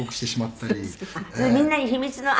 「みんなに秘密のああ